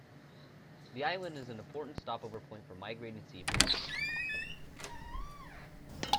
The island is an important stopover point for migrating sea birds.